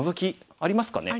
ありますね。